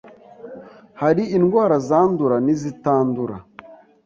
hari indwara zandura ni zitandura